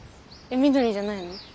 緑じゃないの？